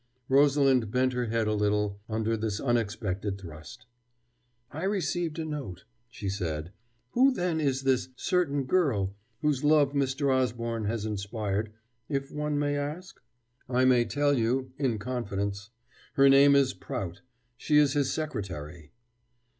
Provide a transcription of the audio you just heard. Rosalind bent her head a little under this unexpected thrust. "I received a note," she said. "Who, then, is this 'certain girl, whose love Mr. Osborne has inspired,' if one may ask?" "I may tell you in confidence. Her name is Prout. She is his secretary."